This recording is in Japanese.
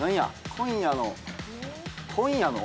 今夜の今夜の？